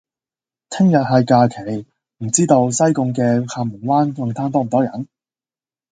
聽日係假期，唔知道西貢嘅廈門灣泳灘多唔多人？